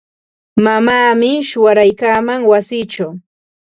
Mamaami shuwaraykaaman wasichaw.